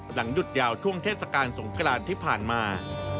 หยุดยาวช่วงเทศกาลสงกรานที่ผ่านมา